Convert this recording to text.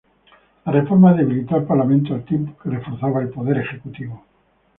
La reforma debilitó al Parlamento al tiempo que reforzaba al poder ejecutivo.